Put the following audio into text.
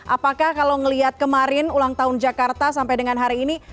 apakah kalau melihat kemarin ulang tahun jakarta sampai dengan hari ini